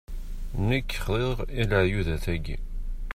Nekk xḍiɣ i leɛyudat-agi.